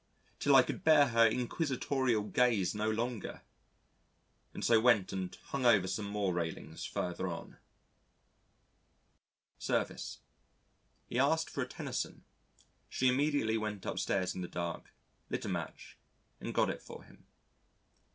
till I could bear her inquisitorial gaze no longer, and so went and hung over some more railings further on. Service He asked for a Tennyson. She immediately went upstairs in the dark, lit a match and got it for him.